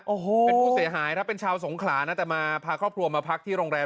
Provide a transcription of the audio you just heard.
โอ้โหเป็นผู้เสียหายครับเป็นชาวสงขลานะแต่มาพาครอบครัวมาพักที่โรงแรม